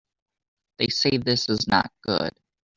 They say this is not good.